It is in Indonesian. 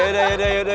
yaudah yaudah yaudah